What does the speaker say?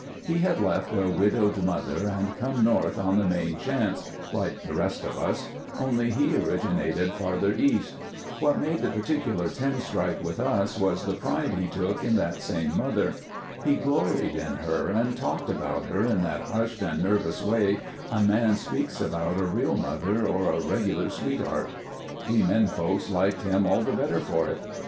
He had left a widowed mother and come north on the main chance, like the rest of us, only he originated farther east. What made the particular ten strike with us was the pride he took in that same mother. He gloried in her and talked about her in that hushed and nervous way a man speaks about a real mother or a regular sweetheart. We men folks liked him all the better for it.